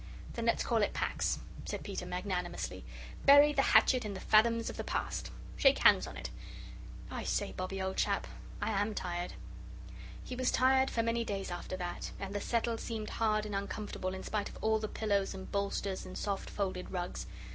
"Then let's call it Pax," said Peter, magnanimously: "bury the hatchet in the fathoms of the past. Shake hands on it. I say, Bobbie, old chap, I am tired." He was tired for many days after that, and the settle seemed hard and uncomfortable in spite of all the pillows and bolsters and soft folded rugs.